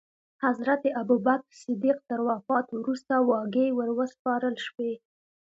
حضرت ابوبکر صدیق تر وفات وروسته واګې وروسپارل شوې.